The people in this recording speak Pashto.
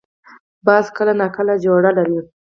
باز کله نا کله جوړه لري